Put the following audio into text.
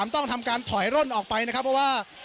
ต้องทำการถอยร่นออกไปนะครับเพราะว่า